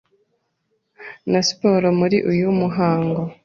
na Siporo muri uyu muhango,